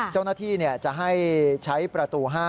เจ้าหน้าที่จะให้ใช้ประตู๕